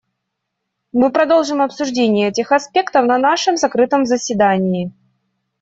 Мы продолжим обсуждение этих аспектов на нашем закрытом заседании.